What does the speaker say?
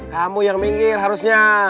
kamu yang minggir harusnya